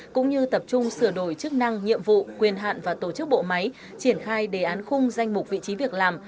cũng như tập trung sửa đổi chức năng nhiệm vụ quyền hạn và tổ chức bộ máy triển khai đề án khung danh mục vị trí việc làm